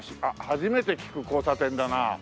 初めて聞く交差点だなあ。